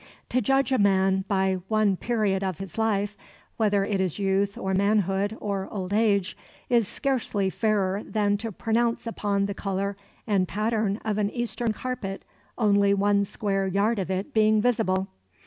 To judge a man by one period of his life, whether it is youth or manhood or old age, is scarcely fairer than to pronounce upon the colour and pattern of an eastern carpet, only one square yard of it being visible.